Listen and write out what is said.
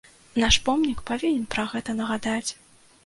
Наш помнік павінен пра гэта нагадаць.